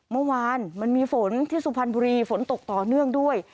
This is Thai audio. เมื่อวานมีฝนที่สุพันธ์บุรีฟนตกต่อเนื่องด้วย